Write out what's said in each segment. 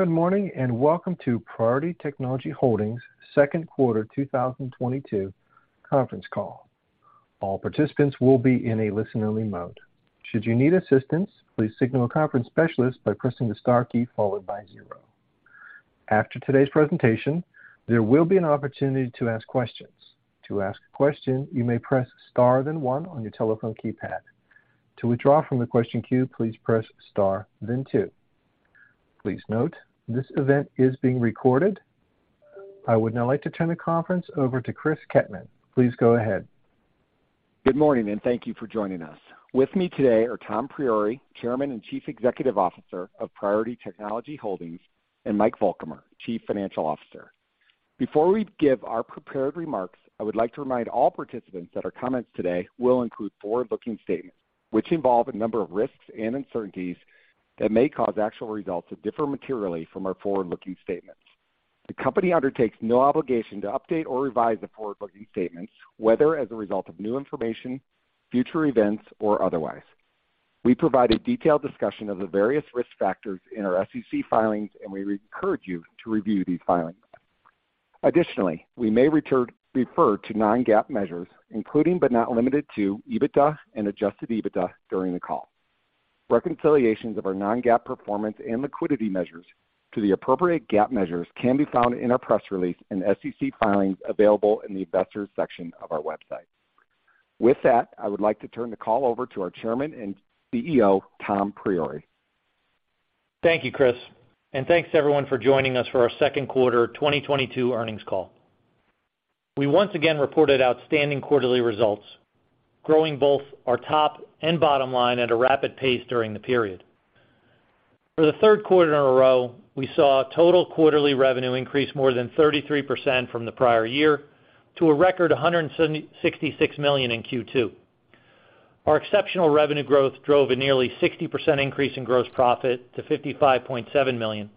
Good morning, and Welcome to Priority Technology Holdings Second Quarter 2022 Conference Call. All participants will be in a listen-only mode. Should you need assistance, please signal a conference specialist by pressing the star key followed by zero. After today's presentation, there will be an opportunity to ask questions. To ask a question, you may press star then one on your telephone keypad. To withdraw from the question queue, please press star then two. Please note this event is being recorded. I would now like to turn the conference over to Chris Kettmann. Please go ahead. Good morning, and thank you for joining us. With me today are Tom Priore, Chairman and Chief Executive Officer of Priority Technology Holdings, and Mike Vollkommer, Chief Financial Officer. Before we give our prepared remarks, I would like to remind all participants that our comments today will include forward-looking statements which involve a number of risks and uncertainties that may cause actual results to differ materially from our forward-looking statements. The company undertakes no obligation to update or revise the forward-looking statements, whether as a result of new information, future events, or otherwise. We provide a detailed discussion of the various risk factors in our SEC filings, and we encourage you to review these filings. Additionally, we may refer to non-GAAP measures, including, but not limited to EBITDA and adjusted EBITDA during the call. Reconciliations of our non-GAAP performance and liquidity measures to the appropriate GAAP measures can be found in our press release and SEC filings available in the Investors section of our website. With that, I would like to turn the call over to our chairman and CEO, Tom Priore. Thank you, Chris. Thanks everyone for joining us for our 2nd quarter 2022 earnings call. We once again reported outstanding quarterly results, growing both our top and bottom line at a rapid pace during the period. For the 3rd quarter in a row, we saw total quarterly revenue increase more than 33% from the prior year to a record $166 million in Q2. Our exceptional revenue growth drove a nearly 60% increase in gross profit to $55.7 million,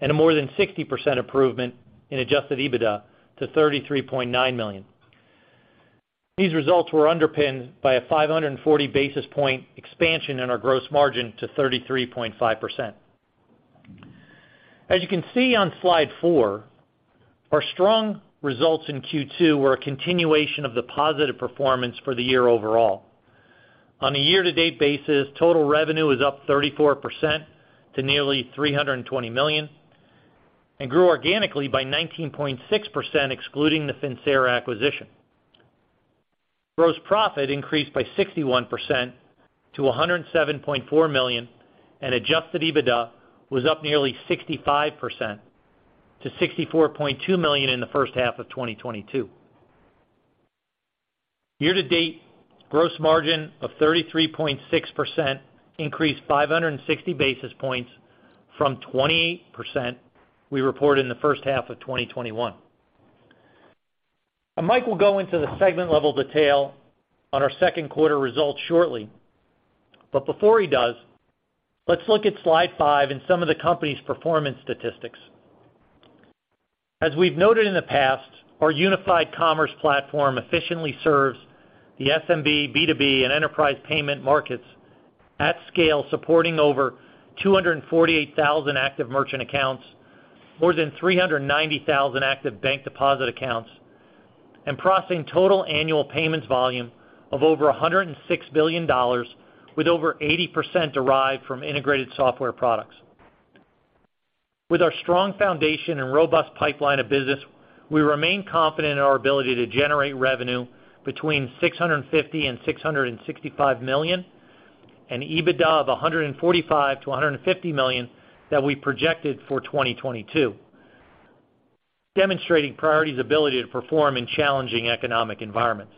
and a more than 60% improvement in adjusted EBITDA to $33.9 million. These results were underpinned by a 540 basis point expansion in our gross margin to 33.5%. As you can see on slide four, our strong results in Q2 were a continuation of the positive performance for the year overall. On a year-to-date basis, total revenue is up 34% to nearly $320 million and grew organically by 19.6%, excluding the Finxera acquisition. Gross profit increased by 61% to $107.4 million, and adjusted EBITDA was up nearly 65% to $64.2 million in the 1st half of 2022. Year to date, gross margin of 33.6% increased 560 basis points from 28% we reported in the 1st half of 2021. Mike will go into the segment-level detail on our 2nd quarter results shortly. Before he does, let's look at slide five and some of the company's performance statistics. As we've noted in the past, our unified commerce platform efficiently serves the SMB, B2B, and enterprise payment markets at scale, supporting over 248,000 active merchant accounts, more than 390,000 active bank deposit accounts, and processing total annual payments volume of over $106 billion, with over 80% derived from integrated software products. With our strong foundation and robust pipeline of business, we remain confident in our ability to generate revenue between $650 million and $665 million, and EBITDA of $145 million-$150 million that we projected for 2022, demonstrating Priority's ability to perform in challenging economic environments.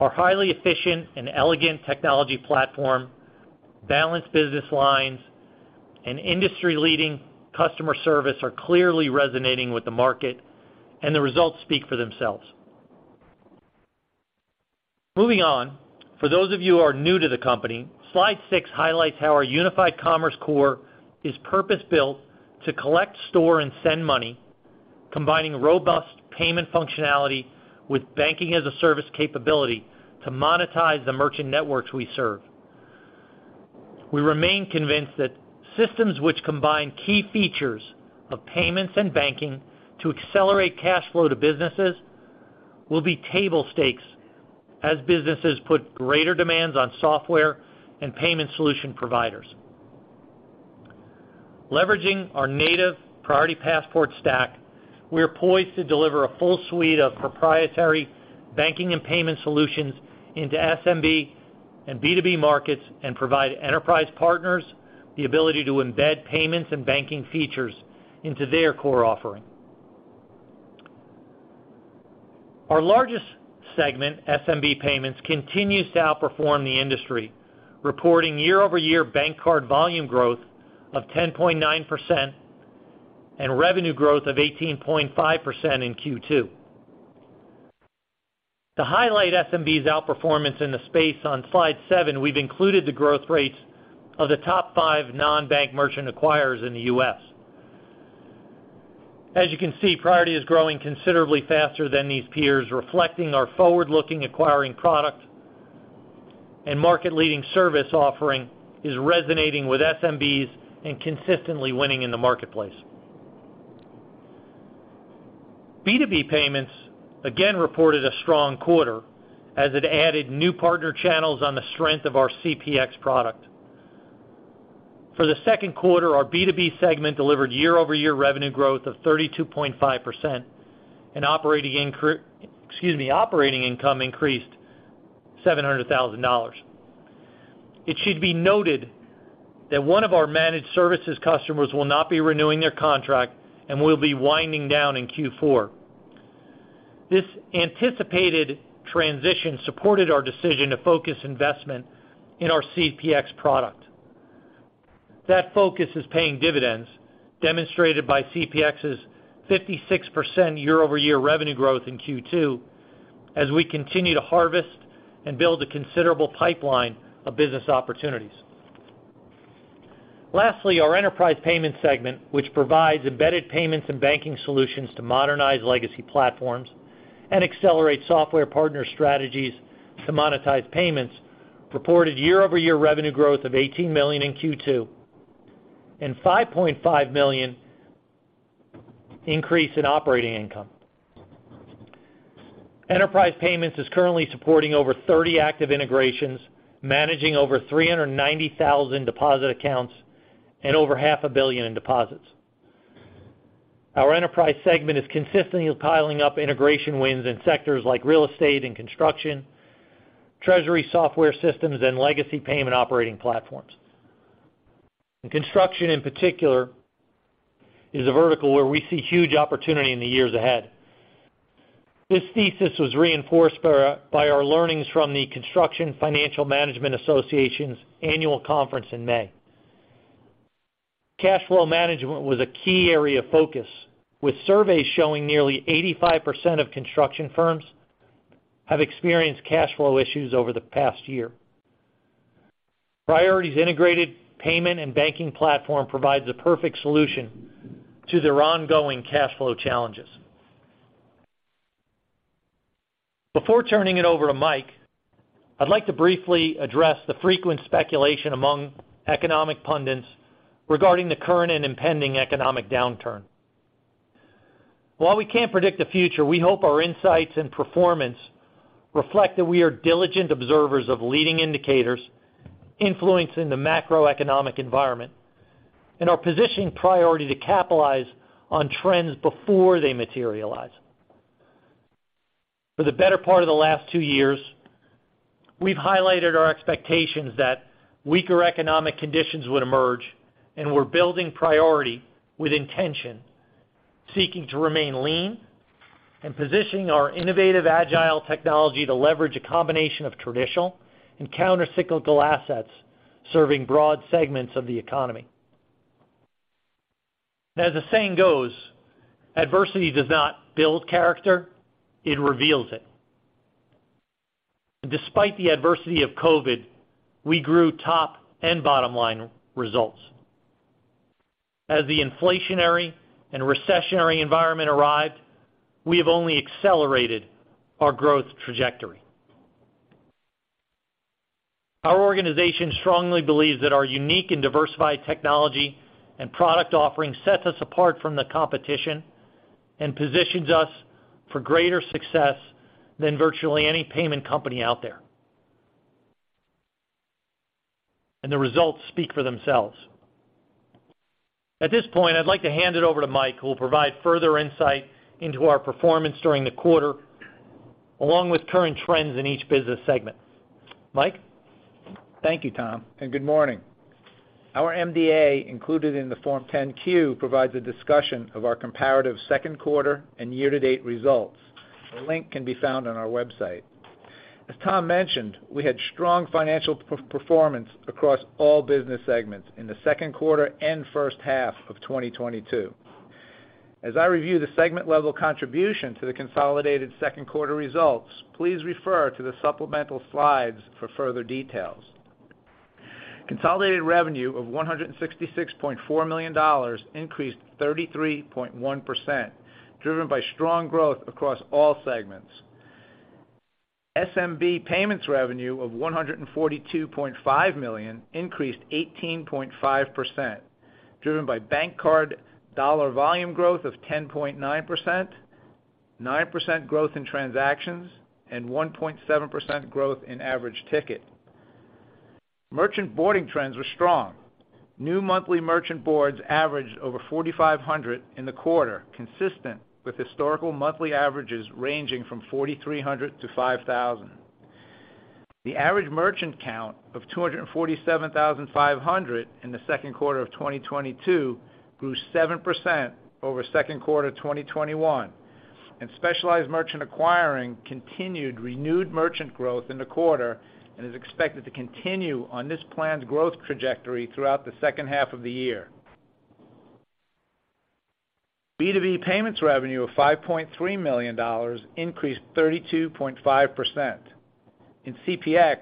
Our highly efficient and elegant technology platform, balanced business lines, and industry-leading customer service are clearly resonating with the market, and the results speak for themselves. Moving on. For those of you who are new to the company, slide six highlights how our unified commerce core is purpose-built to collect, store, and send money, combining robust payment functionality with banking-as-a-service capability to monetize the merchant networks we serve. We remain convinced that systems which combine key features of payments and banking to accelerate cash flow to businesses will be table stakes as businesses put greater demands on software and payment solution providers. Leveraging our native Priority Passport stack, we are poised to deliver a full suite of proprietary banking and payment solutions into SMB and B2B markets and provide enterprise partners the ability to embed payments and banking features into their core offering. Our largest segment, SMB Payments, continues to outperform the industry, reporting year-over-year bank card volume growth of 10.9% and revenue growth of 18.5% in Q2. To highlight SMB's outperformance in the space on slide seven, we've included the growth rates of the top five non-bank merchant acquirers in the U.S. As you can see, Priority is growing considerably faster than these peers, reflecting our forward-looking acquiring product and market-leading service offering is resonating with SMBs and consistently winning in the marketplace. B2B payments again reported a strong quarter as it added new partner channels on the strength of our CPX product. For the 2nd quarter, our B2B segment delivered year-over-year revenue growth of 32.5% and operating income increased $700,000. It should be noted that one of our managed services customers will not be renewing their contract and will be winding down in Q4. This anticipated transition supported our decision to focus investment in our CPX product. That focus is paying dividends, demonstrated by CPX's 56% year-over-year revenue growth in Q2 as we continue to harvest and build a considerable pipeline of business opportunities. Lastly, our Enterprise Payments segment, which provides embedded payments and banking solutions to modernize legacy platforms and accelerates software partner strategies to monetize payments, reported year-over-year revenue growth of $18 million in Q2 and $5.5 million increase in operating income. Enterprise Payments is currently supporting over 30 active integrations, managing over 390,000 deposit accounts and over $500 million in deposits. Our Enterprise Payments segment is consistently piling up integration wins in sectors like real estate and construction, treasury software systems, and legacy payment operating platforms. Construction, in particular, is a vertical where we see huge opportunity in the years ahead. This thesis was reinforced by our learnings from the Construction Financial Management Association's annual conference in May. Cash flow management was a key area of focus, with surveys showing nearly 85% of construction firms have experienced cash flow issues over the past year. Priority's integrated payment and banking platform provides a perfect solution to their ongoing cash flow challenges. Before turning it over to Mike, I'd like to briefly address the frequent speculation among economic pundits regarding the current and impending economic downturn. While we can't predict the future, we hope our insights and performance reflect that we are diligent observers of leading indicators influencing the macroeconomic environment and are positioning Priority to capitalize on trends before they materialize. For the better part of the last two years, we've highlighted our expectations that weaker economic conditions would emerge, and we're building Priority with intention, seeking to remain lean and positioning our innovative agile technology to leverage a combination of traditional and counter-cyclical assets, serving broad segments of the economy. As the saying goes, adversity does not build character, it reveals it. Despite the adversity of COVID, we grew top and bottom line results. As the inflationary and recessionary environment arrived, we have only accelerated our growth trajectory. Our organization strongly believes that our unique and diversified technology and product offering sets us apart from the competition and positions us for greater success than virtually any payment company out there. The results speak for themselves. At this point, I'd like to hand it over to Mike, who will provide further insight into our performance during the quarter, along with current trends in each business segment. Mike? Thank you, Tom, and good morning. Our MD&A, included in the Form 10-Q, provides a discussion of our comparative 2nd quarter and year-to-date results. A link can be found on our website. As Tom mentioned, we had strong financial performance across all business segments in the 2nd quarter and 1st half of 2022. As I review the segment-level contribution to the consolidated 2nd quarter results, please refer to the supplemental slides for further details. Consolidated revenue of $166.4 million increased 33.1%, driven by strong growth across all segments. SMB payments revenue of $142.5 million increased 18.5%, driven by bank card dollar volume growth of 10.9%, 9% growth in transactions, and 1.7% growth in average ticket. Merchant onboarding trends were strong. New monthly merchant boards averaged over 4,500 in the quarter, consistent with historical monthly averages ranging from 4,300-5,000. The average merchant count of 247,500 in the 2nd quarter of 2022 grew 7% over 2nd quarter 2021. Specialized merchant acquiring continued renewed merchant growth in the quarter and is expected to continue on this planned growth trajectory throughout the 2nd half of the year. B2B payments revenue of $5.3 million increased 32.5%. In CPX,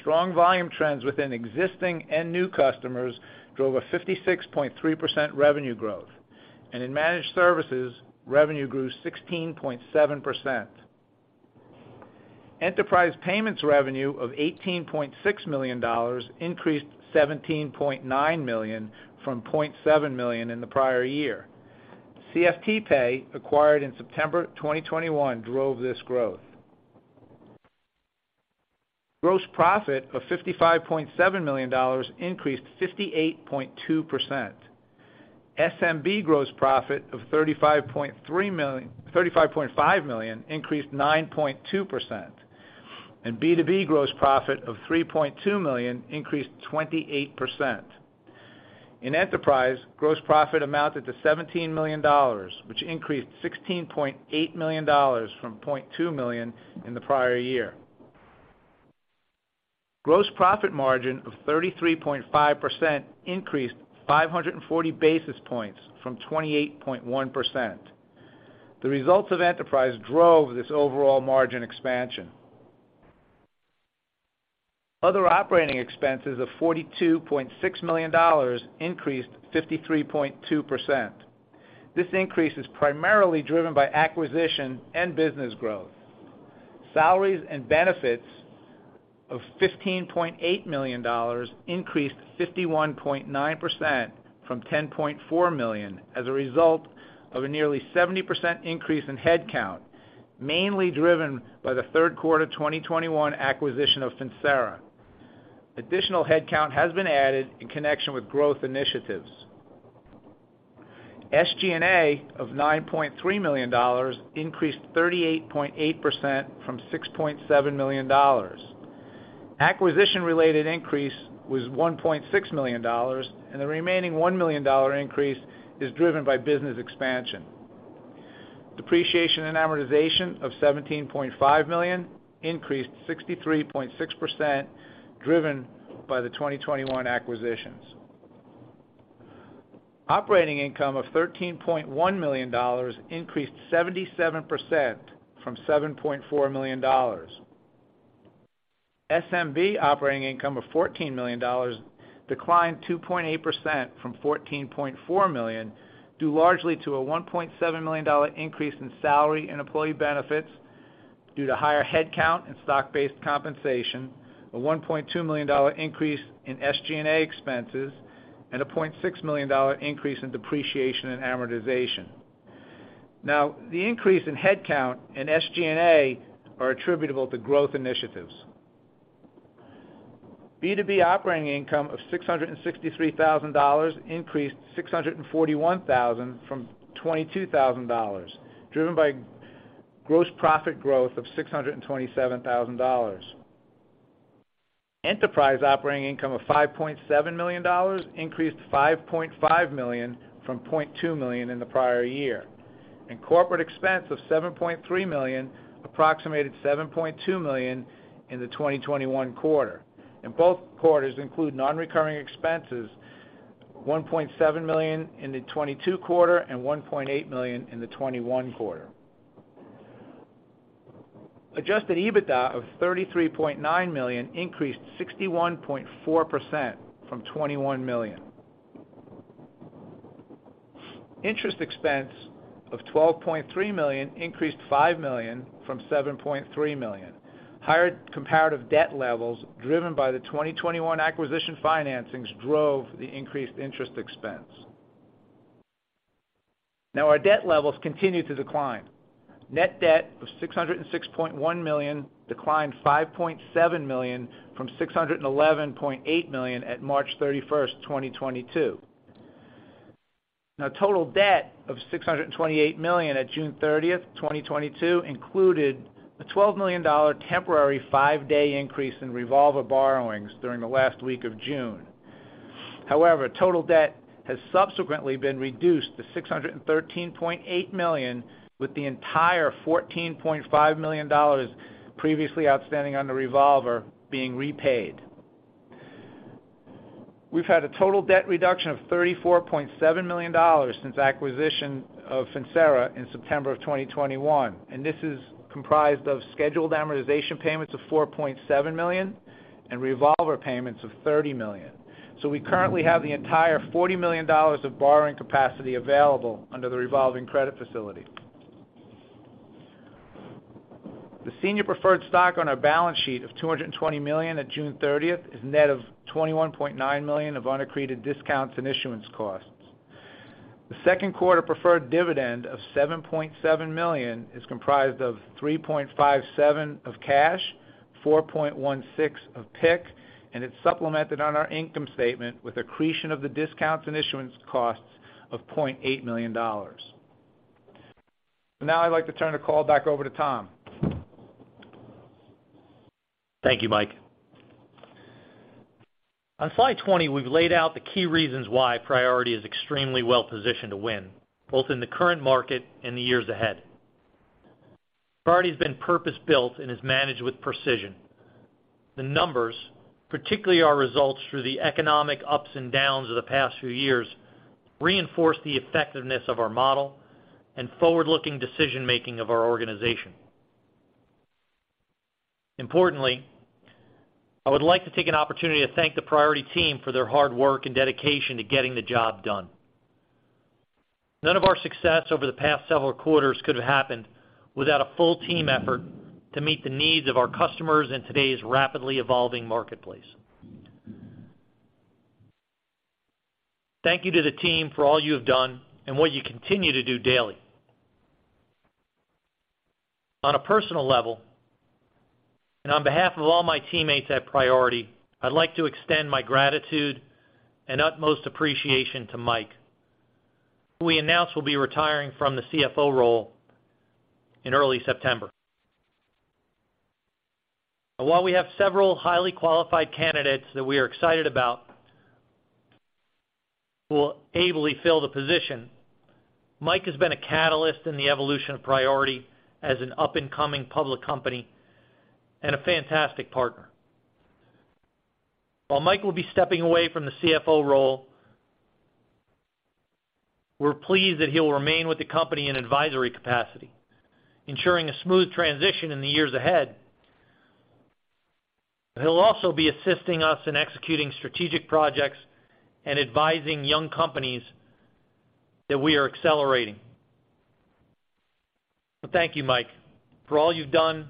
strong volume trends within existing and new customers drove a 56.3% revenue growth. In managed services, revenue grew 16.7%. Enterprise payments revenue of $18.6 million increased $17.9 million from $0.7 million in the prior year. CFTPay, acquired in September 2021, drove this growth. Gross profit of $55.7 million increased 58.2%. SMB gross profit of $35.5 million increased 9.2%. B2B gross profit of $3.2 million increased 28%. In Enterprise, gross profit amounted to $17 million, which increased $16.8 million from $0.2 million in the prior year. Gross profit margin of 33.5% increased 540 basis points from 28.1%. The results of Enterprise drove this overall margin expansion. Other operating expenses of $42.6 million increased 53.2%. This increase is primarily driven by acquisition and business growth. Salaries and benefits of $15.8 million increased 51.9% from $10.4 million as a result of a nearly 70% increase in headcount, mainly driven by the 3rd quarter 2021 acquisition of Finxera. Additional headcount has been added in connection with growth initiatives. SG&A of $9.3 million increased 38.8% from $6.7 million. Acquisition-related increase was $1.6 million, and the remaining $1 million increase is driven by business expansion. Depreciation and amortization of $17.5 million increased 63.6%, driven by the 2021 acquisitions. Operating income of $13.1 million increased 77% from $7.4 million. SMB operating income of $14 million declined 2.8% from $14.4 million, due largely to a $1.7 million increase in salary and employee benefits due to higher headcount and stock-based compensation, a $1.2 million increase in SG&A expenses, and a $0.6 million increase in depreciation and amortization. Now, the increase in headcount in SG&A are attributable to growth initiatives. B2B operating income of $663,000 increased $641,000 from $22,000, driven by gross profit growth of $627,000. Enterprise operating income of $5.7 million increased $5.5 million from $0.2 million in the prior year. Corporate expense of $7.3 million approximated $7.2 million in the 2021 quarter. Both quarters include non-recurring expenses, $1.7 million in the 2022 quarter and $1.8 million in the 2021 quarter. Adjusted EBITDA of $33.9 million increased 61.4% from $21 million. Interest expense of $12.3 million increased $5 million from $7.3 million. Higher comparative debt levels, driven by the 2021 acquisition financings drove the increased interest expense. Now, our debt levels continue to decline. Net debt of $606.1 million declined $5.7 million from $611.8 million at March 31st, 2022. Now total debt of $628 million at June 30th, 2022, included a $12 million temporary five day increase in revolver borrowings during the last week of June. However, total debt has subsequently been reduced to $613.8 million, with the entire $14.5 million previously outstanding on the revolver being repaid. We've had a total debt reduction of $34.7 million since acquisition of Finxera in September of 2021, and this is comprised of scheduled amortization payments of $4.7 million and revolver payments of $30 million. We currently have the entire $40 million of borrowing capacity available under the revolving credit facility. The senior preferred stock on our balance sheet of $220 million at June 30th is net of $21.9 million of unaccreted discounts and issuance costs. The 2nd quarter preferred dividend of $7.7 million is comprised of $3.57 of cash, $4.16 of PIK, and it's supplemented on our income statement with accretion of the discounts and issuance costs of $0.8 million. I'd like to turn the call back over to Tom. Thank you, Mike. On slide 20, we've laid out the key reasons why Priority is extremely well-positioned to win, both in the current market and the years ahead. Priority has been purpose-built and is managed with precision. The numbers, particularly our results through the economic ups and downs of the past few years, reinforce the effectiveness of our model. Forward-looking decision-making of our organization. Importantly, I would like to take an opportunity to thank the Priority team for their hard work and dedication to getting the job done. None of our success over the past several quarters could have happened without a full team effort to meet the needs of our customers in today's rapidly evolving marketplace. Thank you to the team for all you have done and what you continue to do daily. On a personal level, and on behalf of all my teammates at Priority, I'd like to extend my gratitude and utmost appreciation to Mike Vollkommer, who we announced will be retiring from the CFO role in early September. While we have several highly qualified candidates that we are excited about who will ably fill the position, Mike Vollkommer has been a catalyst in the evolution of Priority as an up-and-coming public company and a fantastic partner. While Mike Vollkommer will be stepping away from the CFO role, we're pleased that he will remain with the company in advisory capacity, ensuring a smooth transition in the years ahead. He'll also be assisting us in executing strategic projects and advising young companies that we are accelerating. Thank you, Mike Vollkommer, for all you've done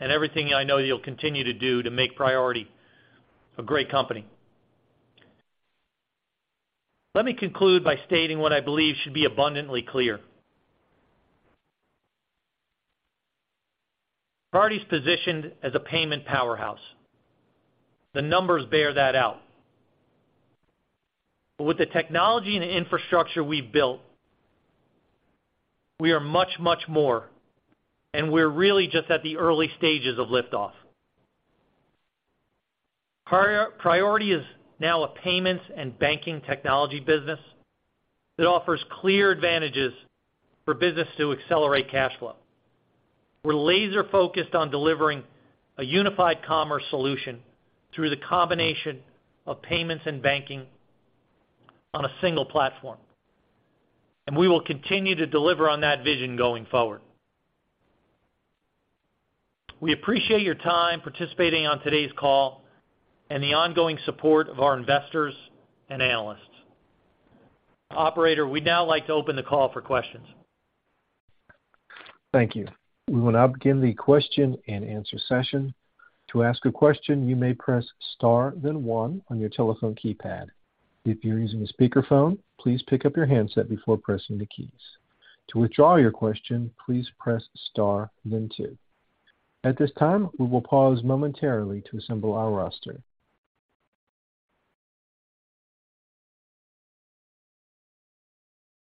and everything I know that you'll continue to do to make Priority a great company. Let me conclude by stating what I believe should be abundantly clear. Priority is positioned as a payment powerhouse. The numbers bear that out. With the technology and infrastructure we've built, we are much, much more, and we're really just at the early stages of liftoff. Priority is now a payments and banking technology business that offers clear advantages for business to accelerate cash flow. We're laser focused on delivering a unified commerce solution through the combination of payments and banking on a single platform, and we will continue to deliver on that vision going forward. We appreciate your time participating on today's call and the ongoing support of our investors and analysts. Operator, we'd now like to open the call for questions. Thank you. We will now begin the question-and-answer session. To ask a question, you may press star then one on your telephone keypad. If you're using a speakerphone, please pick up your handset before pressing the keys. To withdraw your question, please press star then two. At this time, we will pause momentarily to assemble our roster.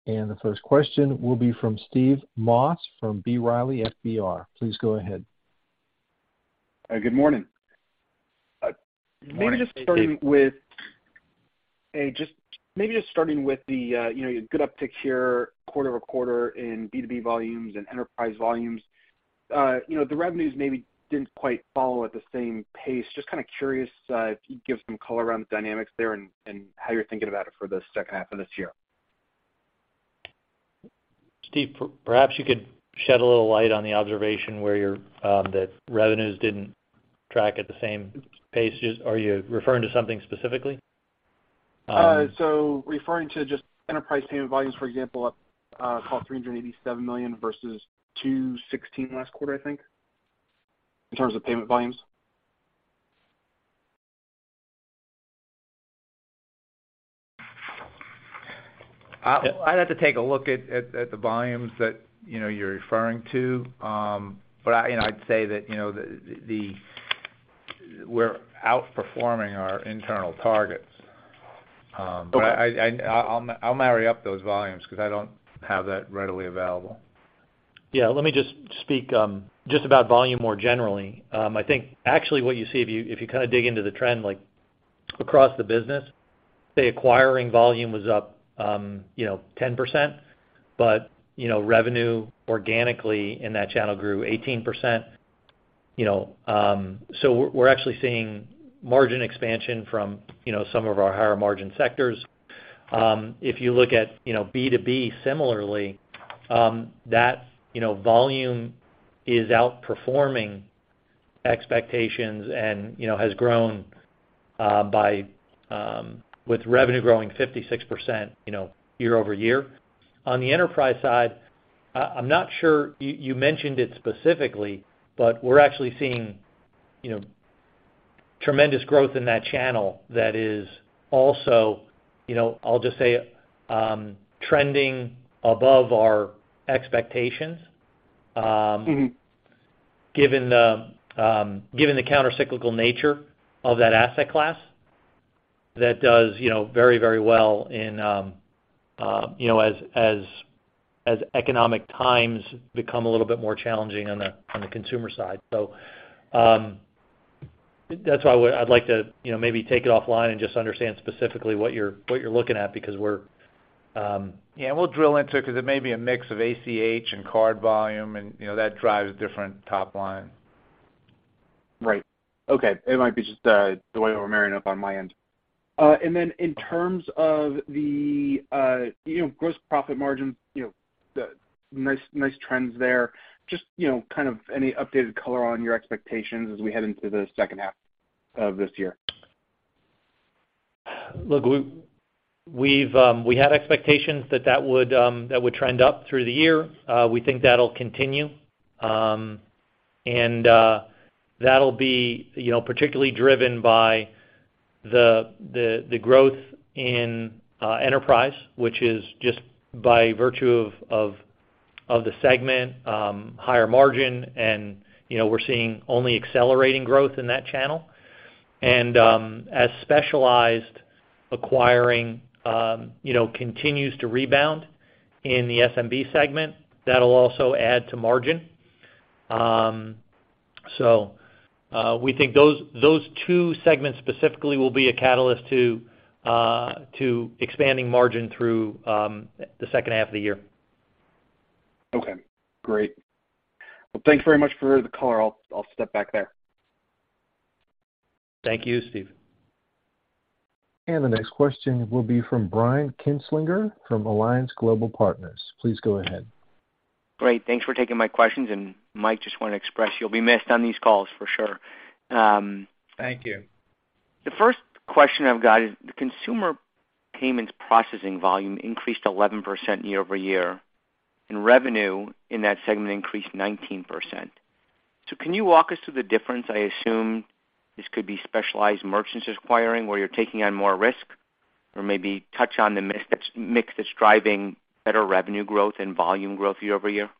The 1st question will be from Steve Moss from B. Riley FBR. Please go ahead. Good morning. Morning, Steve. Maybe just starting with the, you know, good uptick here quarter-over-quarter in B2B volumes and enterprise volumes. You know, the revenues maybe didn't quite follow at the same pace. Just kind of curious if you could give some color around the dynamics there and how you're thinking about it for the 2nd half of this year. Steve, perhaps you could shed a little light on the observation where you that revenues didn't track at the same pace. Just, are you referring to something specifically? Referring to just Enterprise Payments volumes, for example, up call $387 million versus $216 million last quarter, I think, in terms of payment volumes. I'd have to take a look at the volumes that, you know, you're referring to. I, you know, I'd say that, you know, we're outperforming our internal targets. I'll marry up those volumes because I don't have that readily available. Yeah, let me just speak just about volume more generally. I think actually what you see if you kind of dig into the trend, like across the business, say acquiring volume was up, you know, 10%, but you know, revenue organically in that channel grew 18%, you know. We're actually seeing margin expansion from, you know, some of our higher margin sectors. If you look at, you know, B2B similarly, that, you know, volume is outperforming expectations and, you know, has grown by with revenue growing 56% year-over-year. On the enterprise side, I'm not sure you mentioned it specifically, but we're actually seeing, you know, tremendous growth in that channel that is also, you know, I'll just say, trending above our expectations. Mm-hmm Given the countercyclical nature of that asset class that does you know very well in you know as economic times become a little bit more challenging on the consumer side. That's why I'd like to you know maybe take it offline and just understand specifically what you're looking at because we're... Yeah we'll drill into it because it may be a mix of ACH and card volume and you know that drives different top line. Right. Okay. It might be just the way we're marrying up on my end. In terms of the, you know, gross profit margin, you know, the nice trends there. Just, you know, kind of any updated color on your expectations as we head into the 2nd half of this year. Look, we've had expectations that would trend up through the year. We think that'll continue. That'll be, you know, particularly driven by the growth in enterprise, which is just by virtue of the segment higher margin. You know, we're seeing only accelerating growth in that channel. As specialized acquiring continues to rebound in the SMB segment, that'll also add to margin. We think those two segments specifically will be a catalyst to expanding margin through the 2nd half of the year. Okay, great. Well, thanks very much for the color. I'll step back there. Thank you, Steve. The next question will be from Brian Kinstlinger from Alliance Global Partners. Please go ahead. Great. Thanks for taking my questions. Mike, just want to express you'll be missed on these calls for sure. Thank you. The 1st question I've got is the consumer payments processing volume increased 11% year-over-year, and revenue in that segment increased 19%. Can you walk us through the difference? I assume this could be specialized merchant acquiring, where you're taking on more risk, or maybe touch on the mix that's driving better revenue growth and volume growth year-over-year.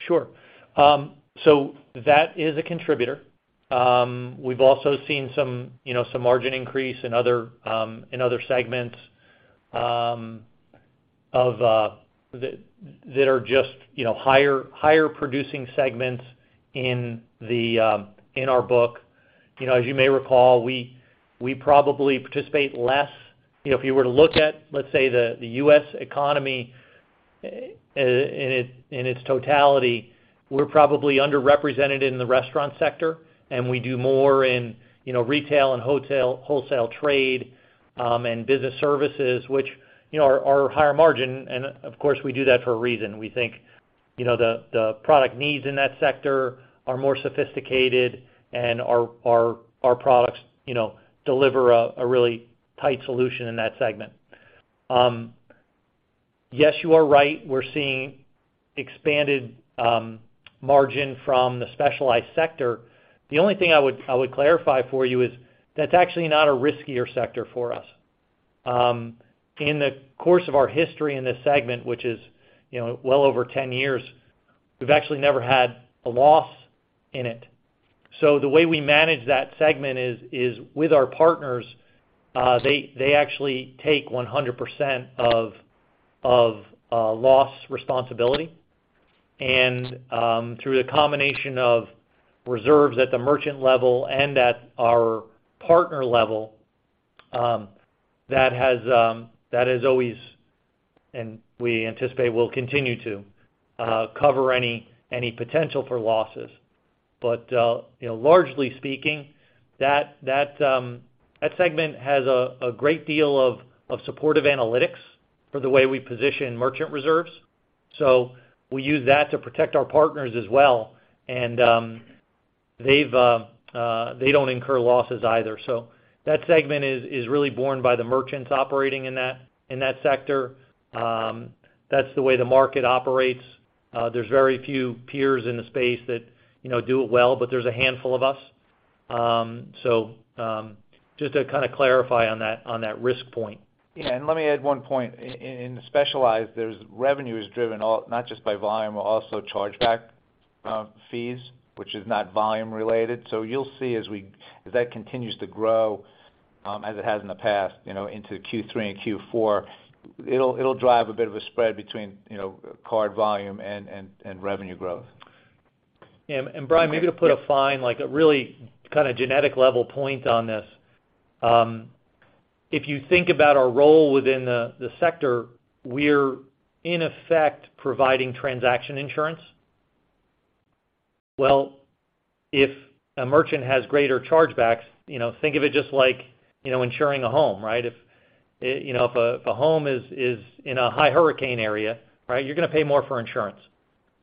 Sure. That is a contributor. We've also seen some, you know, some margin increase in other segments of that that are just, you know, higher producing segments in our book. You know, as you may recall, we probably participate less. You know, if you were to look at, let's say, the U.S. economy in its totality, we're probably underrepresented in the restaurant sector, and we do more in, you know, retail and hotel, wholesale trade, and business services, which, you know, are higher margin. Of course, we do that for a reason. We think, you know, the product needs in that sector are more sophisticated, and our products, you know, deliver a really tight solution in that segment. Yes, you are right. We're seeing expanded margin from the specialized sector. The only thing I would clarify for you is that's actually not a riskier sector for us. In the course of our history in this segment, which is, you know, well over 10 years, we've actually never had a loss in it. The way we manage that segment is with our partners, they actually take 100% of loss responsibility. Through the combination of reserves at the merchant level and at our partner level, that has always, and we anticipate will continue to, cover any potential for losses. You know, largely speaking, that segment has a great deal of supportive analytics for the way we position merchant reserves. We use that to protect our partners as well. They don't incur losses either. That segment is really borne by the merchants operating in that sector. That's the way the market operates. There's very few peers in the space that you know do it well, but there's a handful of us. Just to kind of clarify on that risk point. Yeah. Let me add one point. In specialized, there's revenue is driven not just by volume, but also chargeback fees, which is not volume related. You'll see as that continues to grow, as it has in the past, you know, into Q3 and Q4. It'll drive a bit of a spread between, you know, card volume and revenue growth. Brian, maybe to put a fine, like a really kind of granular level point on this, if you think about our role within the sector, we're in effect providing transaction insurance. Well, if a merchant has greater chargebacks, you know, think of it just like, you know, insuring a home, right? If you know, if a home is in a high hurricane area, right, you're gonna pay more for insurance.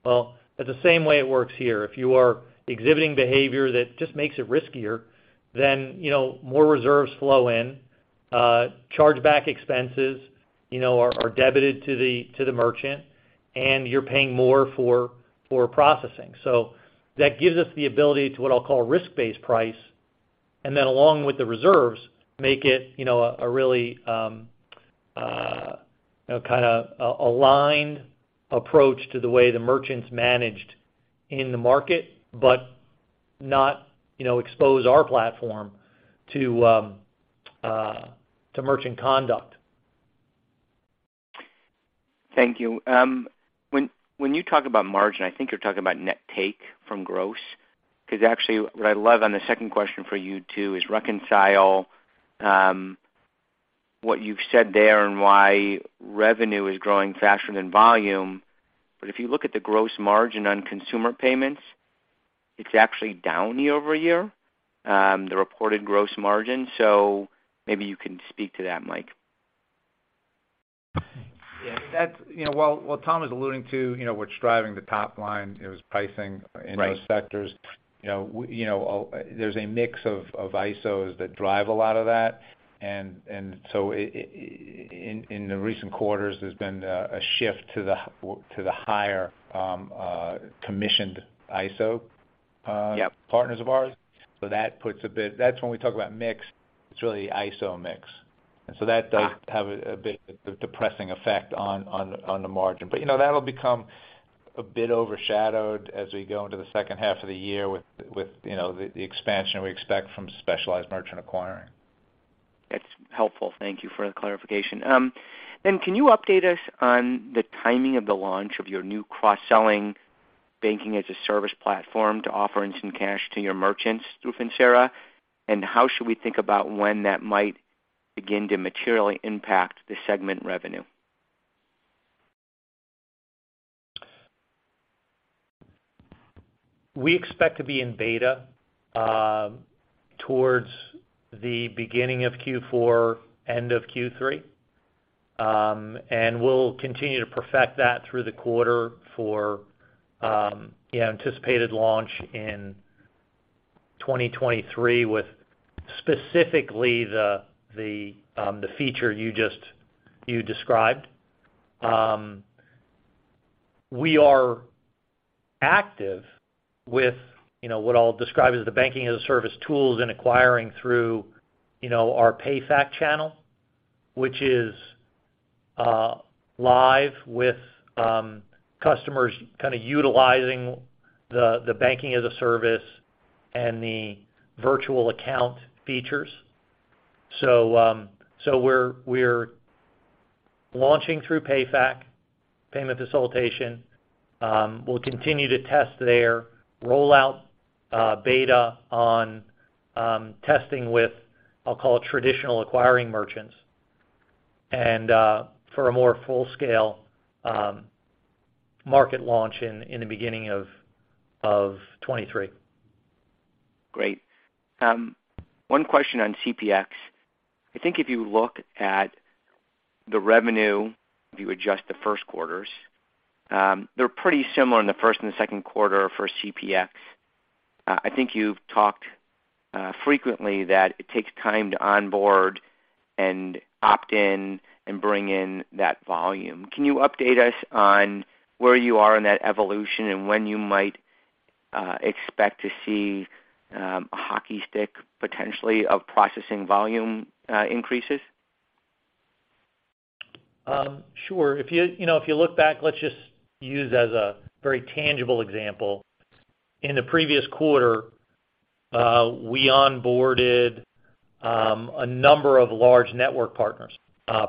Well, that's the same way it works here. If you are exhibiting behavior that just makes it riskier, then you know, more reserves flow in, chargeback expenses, you know, are debited to the merchant, and you're paying more for processing. That gives us the ability to what I'll call risk-based pricing, and then along with the reserves, make it, you know, a really, you know, kinda aligned approach to the way the merchant's managed in the market, but not, you know, expose our platform to merchant conduct. Thank you. When you talk about margin, I think you're talking about net take from gross 'cause actually, what I'd love on the 2nd question for you, too, is to reconcile what you've said there and why revenue is growing faster than volume. If you look at the gross margin on consumer payments, it's actually down year-over-year, the reported gross margin. Maybe you can speak to that, Mike. Yeah. That's you know, what Tom is alluding to, you know, what's driving the top line, is pricing. Right In those sectors. You know, you know, there's a mix of ISOs that drive a lot of that. In the recent quarters, there's been a shift to the higher commissioned ISO. Yep partners of ours. That puts a bit. That's when we talk about mix, it's really ISO mix. That does- Ah. ...have a bit of depressing effect on the margin. But you know that'll become a bit overshadowed as we go into the 2nd half of the year with you know the expansion we expect from specialized merchant acquiring. That's helpful. Thank you for the clarification. Can you update us on the timing of the launch of your new cross-selling banking-as-a-service platform to offer instant cash to your merchants through Finxera? How should we think about when that might begin to materially impact the segment revenue? We expect to be in beta towards the beginning of Q4, end of Q3. We'll continue to perfect that through the quarter for anticipated launch in 2023 with specifically the feature you just described. We are active with, you know, what I'll describe as the banking-as-a-service tools and acquiring through, you know, our PayFac channel, which is live with customers kinda utilizing the banking-as-a-service and the virtual account features. We're launching through PayFac, payment facilitation. We'll continue to test their rollout, beta on testing with, I'll call it traditional acquiring merchants, and for a more full-scale market launch in the beginning of 2023. Great. One question on CPX. I think if you look at the revenue, if you adjust the 1st quarters, they're pretty similar in the 1st and the 2nd quarter for CPX. I think you've talked frequently that it takes time to onboard and opt in and bring in that volume. Can you update us on where you are in that evolution and when you might expect to see a hockey stick potentially of processing volume increases? Sure. If you know, if you look back, let's just use as a very tangible example. In the previous quarter, we onboarded a number of large network partners,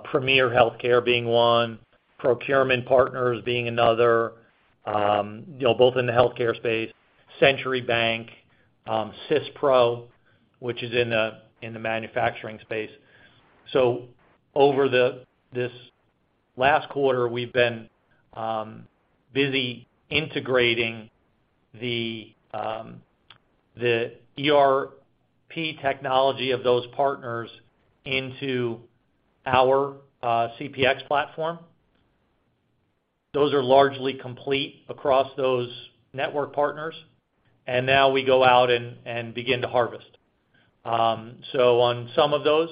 Premier, Inc. being one, Procurement Partners being another, you know, both in the healthcare space, Century Bank, SYSPRO, which is in the manufacturing space. This last quarter, we've been busy integrating the ERP technology of those partners into our CPX platform. Those are largely complete across those network partners, and now we go out and begin to harvest. On some of those,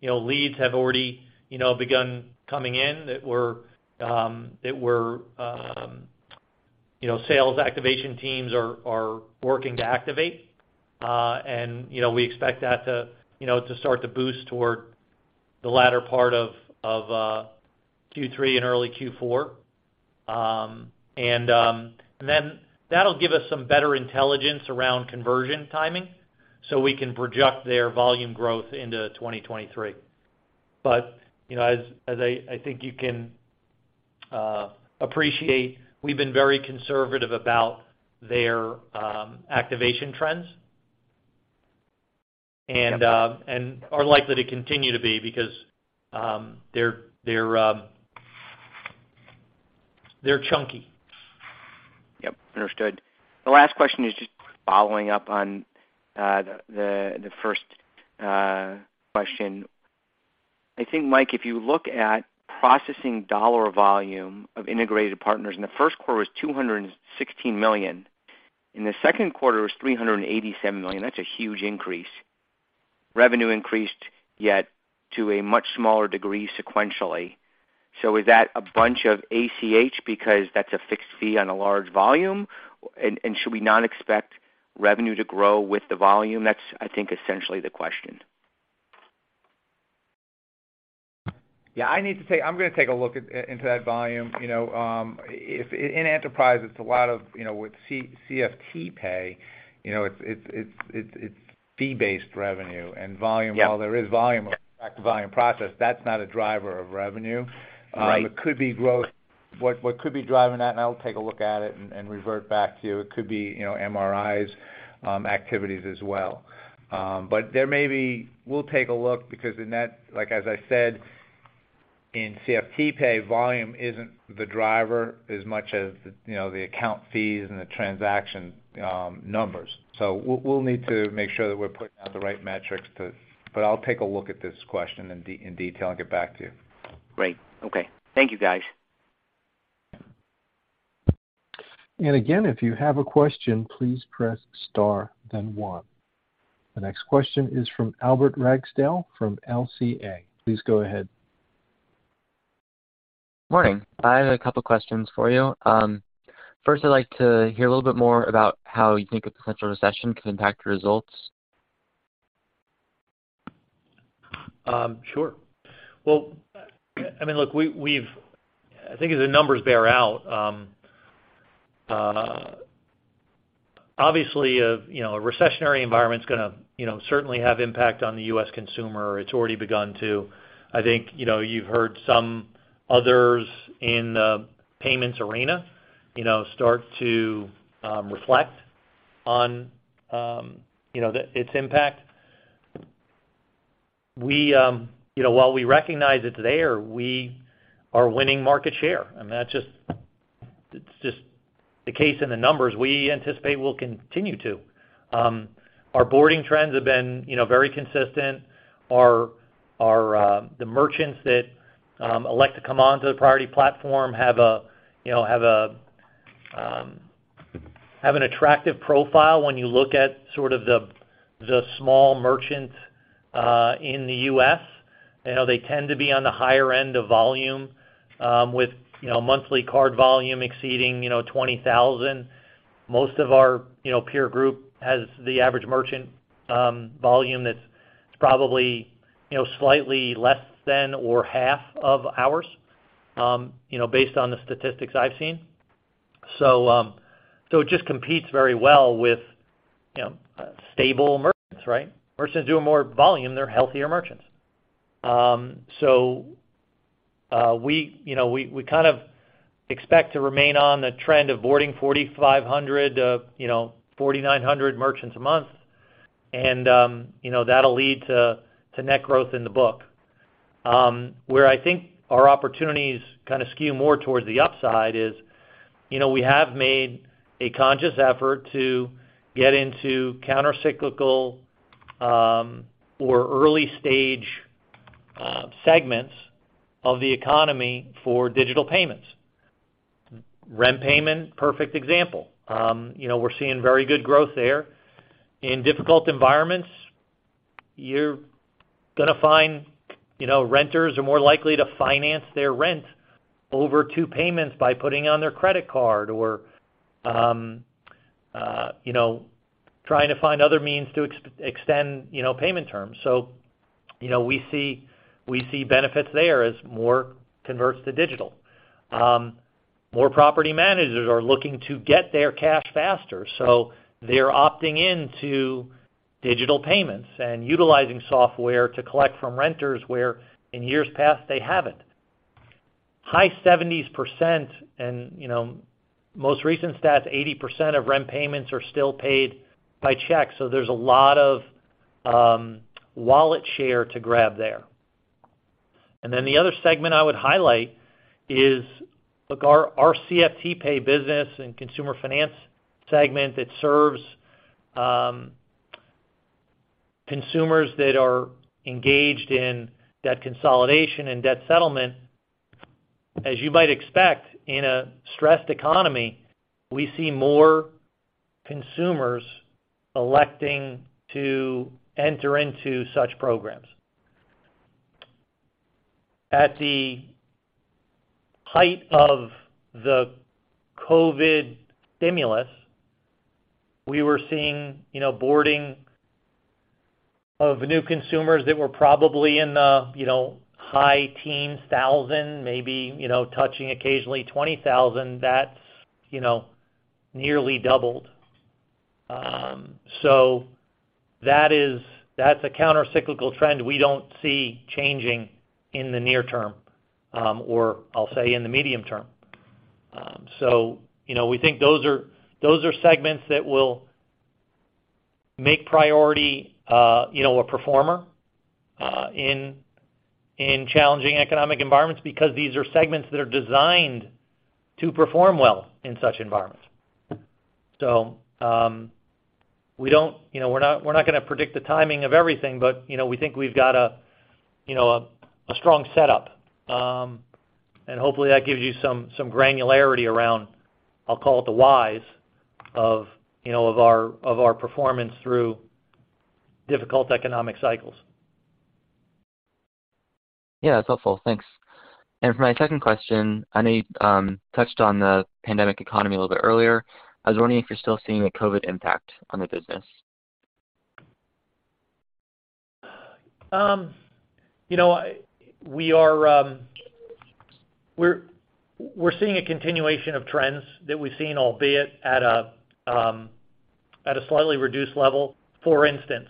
you know, leads have already, you know, begun coming in that we're you know sales activation teams are working to activate. You know, we expect that to start to boost toward the latter part of Q3 and early Q4. Then that'll give us some better intelligence around conversion timing, so we can project their volume growth into 2023. You know, as I think you can appreciate, we've been very conservative about their activation trends and are likely to continue to be because they're chunky. Yep, understood. The last question is just following up on the 1st question. I think, Mike, if you look at processing dollar volume of integrated partners in the 1st quarter was $216 million. In the 2nd quarter, it was $387 million. That's a huge increase. Revenue increased yet to a much smaller degree sequentially. Is that a bunch of ACH because that's a fixed fee on a large volume? And should we not expect revenue to grow with the volume? That's, I think, essentially the question. I'm gonna take a look into that volume. You know, in Enterprise, it's a lot of, you know, with CFTPay, you know, it's fee-based revenue and volume. Yeah. While there is volume, of course, but the volume processing, that's not a driver of revenue. Right. It could be growth. What could be driving that, and I'll take a look at it and revert back to you. It could be, you know, MRI's activities as well. There may be. We'll take a look because, like as I said, in CFTPay, volume isn't the driver as much as, you know, the account fees and the transaction numbers. We'll need to make sure that we're putting out the right metrics. I'll take a look at this question in detail and get back to you. Great. Okay. Thank you, guys. Again, if you have a question, please press star then one. The next question is from Albert Ragsdale from LCA. Please go ahead. Morning. I have a couple questions for you. First I'd like to hear a little bit more about how you think a potential recession could impact your results. Sure. Well, I mean, look, we've, I think as the numbers bear out, obviously a recessionary environment's gonna certainly have impact on the U.S. consumer. It's already begun to. I think, you know, you've heard some others in the payments arena start to reflect on its impact. We, you know, while we recognize it's there, we are winning market share, and that's just the case in the numbers. We anticipate we'll continue to. Our onboarding trends have been very consistent. The merchants that elect to come on to the Priority platform have an attractive profile when you look at sort of the small merchants in the U.S. You know, they tend to be on the higher end of volume with you know, monthly card volume exceeding you know, 20,000. Most of our you know, peer group has the average merchant volume that's probably you know, slightly less than or half of ours you know, based on the statistics I've seen. It just competes very well with you know, stable merchants, right? Merchants doing more volume, they're healthier merchants. We you know, kind of expect to remain on the trend of boarding 4,500 you know, 4,900 merchants a month and you know, that'll lead to net growth in the book. Where I think our opportunities kind of skew more towards the upside is, you know, we have made a conscious effort to get into countercyclical, or early stage, segments of the economy for digital payments. Rent payment, perfect example. You know, we're seeing very good growth there. In difficult environments, you're gonna find, you know, renters are more likely to finance their rent over two payments by putting it on their credit card or, you know, trying to find other means to extend, you know, payment terms. So, you know, we see benefits there as more converts to digital. More property managers are looking to get their cash faster, so they're opting into digital payments and utilizing software to collect from renters where in years past they haven't. High 70% and, you know, most recent stats, 80% of rent payments are still paid by check, so there's a lot of wallet share to grab there. Then the other segment I would highlight is, look, our CFTPay business and consumer finance segment that serves consumers that are engaged in debt consolidation and debt settlement, as you might expect in a stressed economy, we see more consumers electing to enter into such programs. At the height of the COVID stimulus, we were seeing, you know, boarding of new consumers that were probably in the, you know, high teens thousand, maybe, you know, touching occasionally 20,000. That's, you know, nearly doubled. That is a countercyclical trend we don't see changing in the near term, or I'll say in the medium term. You know, we think those are segments that will make Priority a performer in challenging economic environments because these are segments that are designed to perform well in such environments. We don't, you know, we're not gonna predict the timing of everything but, you know, we think we've got a strong setup. Hopefully that gives you some granularity around, I'll call it the whys of our performance through difficult economic cycles. Yeah. That's helpful. Thanks. For my 2nd question, I know you touched on the pandemic economy a little bit earlier. I was wondering if you're still seeing a COVID impact on the business. You know, we're seeing a continuation of trends that we've seen albeit at a slightly reduced level. For instance,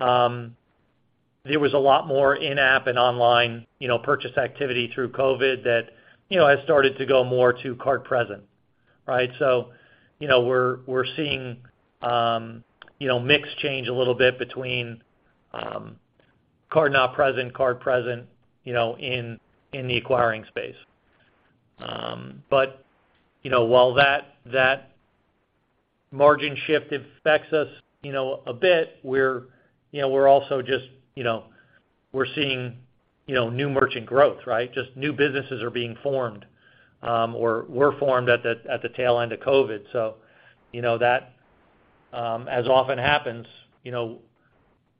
there was a lot more in-app and online, you know, purchase activity through COVID that, you know, has started to go more to card present, right? You know, we're seeing mix change a little bit between card not present, card present, you know, in the acquiring space. You know, while that margin shift affects us, you know, a bit, we're also just seeing new merchant growth, right? Just new businesses are being formed or were formed at the tail end of COVID. You know that, as often happens, you know,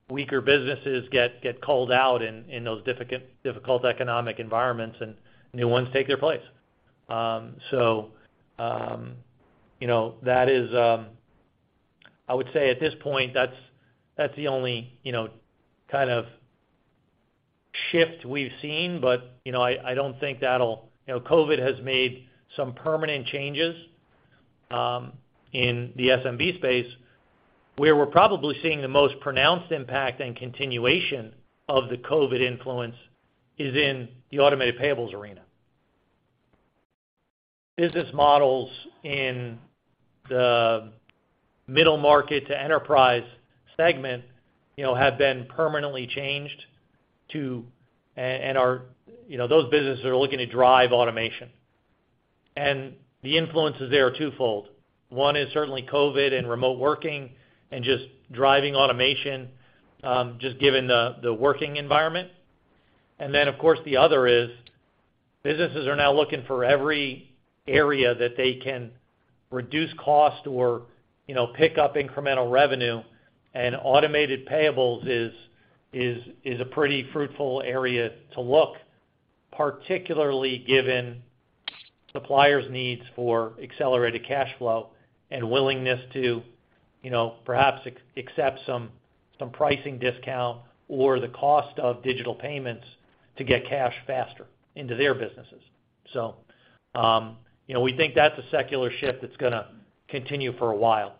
weaker businesses get culled out in those difficult economic environments and new ones take their place. You know, that is, I would say at this point, that's the only, you know, kind of shift we've seen. You know, I don't think that'll. You know, COVID has made some permanent changes in the SMB space. Where we're probably seeing the most pronounced impact and continuation of the COVID influence is in the automated payables arena. Business models in the middle market to enterprise segment, you know, have been permanently changed, and those businesses are looking to drive automation. The influences there are twofold. One is certainly COVID and remote working and just driving automation, just given the working environment. Of course, the other is businesses are now looking for every area that they can reduce cost or, you know, pick up incremental revenue. Automated payables is a pretty fruitful area to look, particularly given suppliers' needs for accelerated cash flow and willingness to, you know, perhaps accept some pricing discount or the cost of digital payments to get cash faster into their businesses. You know, we think that's a secular shift that's gonna continue for a while.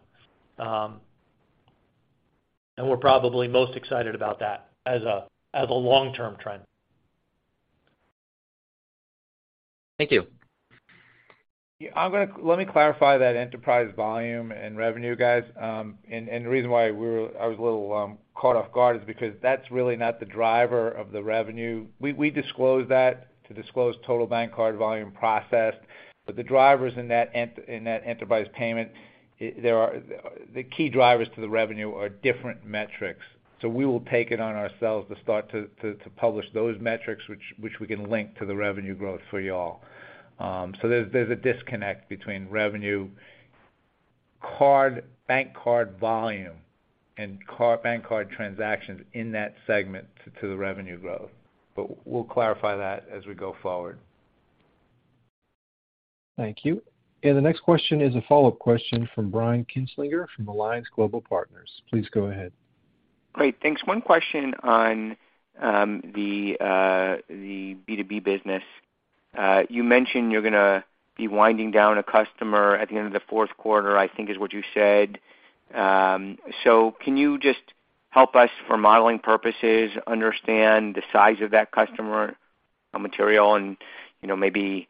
We're probably most excited about that as a long-term trend. Thank you. Yeah, let me clarify that Enterprise volume and revenue, guys. The reason why I was a little caught off guard is because that's really not the driver of the revenue. We disclosed that to disclose total bank card volume processed. The drivers in that Enterprise Payments, the key drivers to the revenue are different metrics. We will take it on ourselves to start to publish those metrics, which we can link to the revenue growth for y'all. There's a disconnect between bank card volume and bank card transactions in that segment to the revenue growth. We'll clarify that as we go forward. Thank you. The next question is a follow-up question from Brian Kinstlinger from Alliance Global Partners. Please go ahead. Great. Thanks. One question on the B2B business. You mentioned you're gonna be winding down a customer at the end of the 4th quarter, I think is what you said. So can you just help us, for modeling purposes, understand the size of that customer, how material and, you know, maybe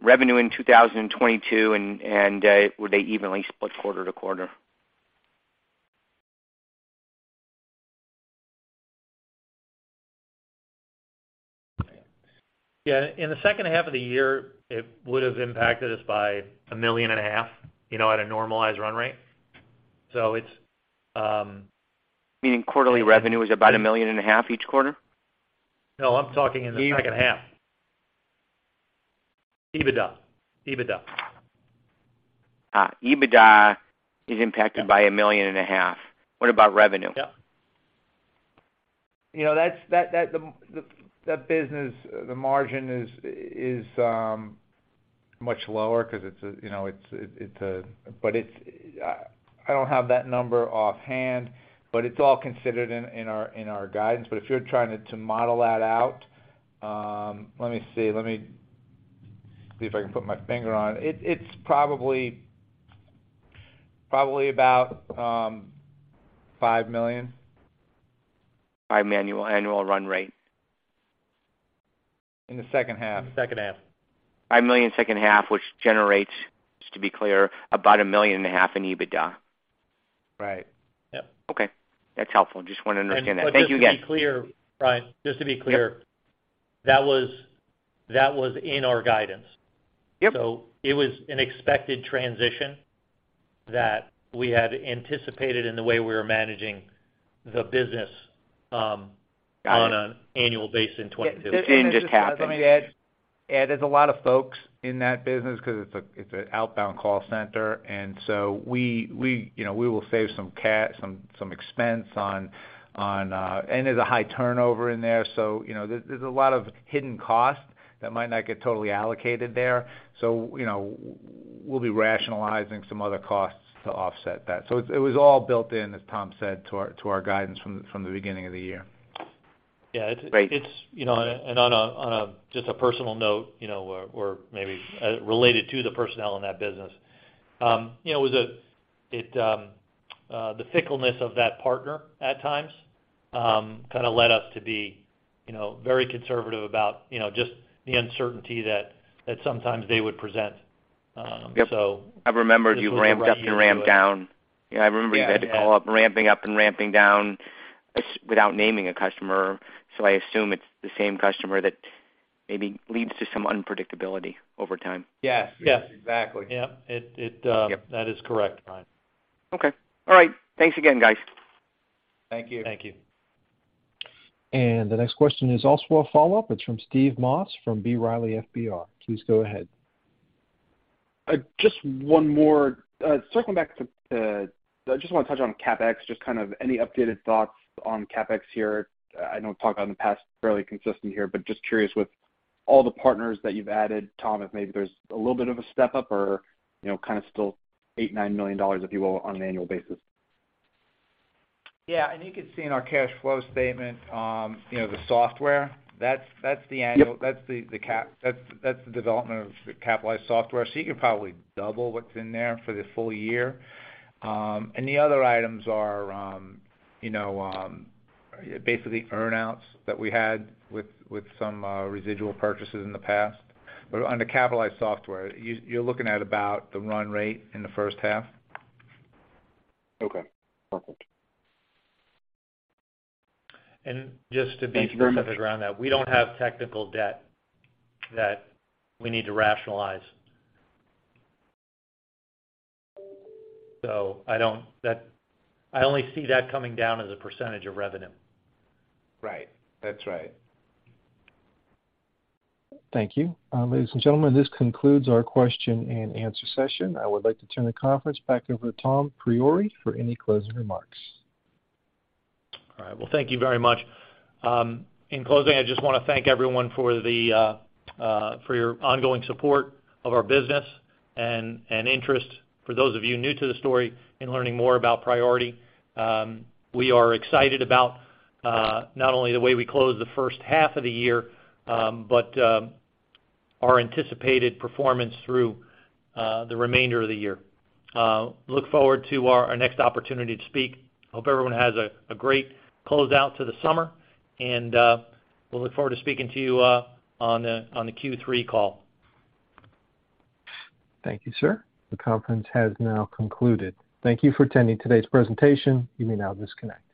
revenue in 2022, and were they evenly split quarter to quarter? Yeah. In the 2nd half of the year, it would've impacted us by $1.5 million, you know, at a normalized run rate. Meaning quarterly revenue is about $1.5 million each quarter? No, I'm talking in the 2nd half. EBITDA. EBITDA is impacted by $1.5 million. What about revenue? Yep. You know, that business, the margin is much lower. I don't have that number offhand, but it's all considered in our guidance. If you're trying to model that out, let me see if I can put my finger on it. It's probably about $5 million. 5 annual run rate. In the 2nd half. In the 2nd half. $5 million 2nd half, which generates, just to be clear, about $1.5 million in EBITDA. Right. Yep. Okay. That's helpful. Just wanted to understand that. Thank you again. Just to be clear, Brian. Yep That was in our guidance. Yep. It was an expected transition that we had anticipated in the way we were managing the business. Got it on an annual basis in 2022. This didn't just happen. Let me add, there's a lot of folks in that business 'cause it's an outbound call center. We, you know, will save some expense on. There's a high turnover in there, so, you know, there's a lot of hidden costs that might not get totally allocated there. You know, we'll be rationalizing some other costs to offset that. It was all built in, as Tom said, to our guidance from the beginning of the year. Yeah, it's you know, on a personal note, you know, or maybe related to the personnel in that business, you know, the fickleness of that partner at times kinda led us to be, you know, very conservative about, you know, just the uncertainty that sometimes they would present. Yep. I remember you ramped up and ramped down. Yeah, I remember you had to call up ramping up and ramping down without naming a customer. I assume it's the same customer that maybe leads to some unpredictability over time. Yes. Yes. Exactly. Yeah. That is correct, Brian. Okay. All right. Thanks again, guys. Thank you. Thank you. The next question is also a follow-up. It's from Steve Moss from B. Riley FBR. Please go ahead. Just one more. Circling back, I just wanna touch on CapEx, just kind of any updated thoughts on CapEx here. I know talk in the past fairly consistent here, but just curious with all the partners that you've added, Tom, if maybe there's a little bit of a step up or, you know, kinda still $8 million-$9 million, if you will, on an annual basis. Yeah. You could see in our cash flow statement, you know, the software, that's the annual- Yep. That's the development of capitalized software. So you could probably double what's in there for the full year. The other items are, you know, basically earn-outs that we had with some residual purchases in the past. On the capitalized software, you're looking at about the run rate in the 1st half. Okay. Perfect. Just to be specific around that, we don't have technical debt that we need to rationalize. I only see that coming down as a percentage of revenue. Right. That's right. Thank you. Ladies and gentlemen, this concludes our question and answer session. I would like to turn the conference back over to Tom Priore for any closing remarks. All right. Well, thank you very much. In closing, I just wanna thank everyone for your ongoing support of our business and interest for those of you new to the story in learning more about Priority. We are excited about not only the way we closed the 1st half of the year, but our anticipated performance through the remainder of the year. Look forward to our next opportunity to speak. Hope everyone has a great closeout to the summer, and we'll look forward to speaking to you on the Q3 call. Thank you, sir. The conference has now concluded. Thank you for attending today's presentation. You may now disconnect.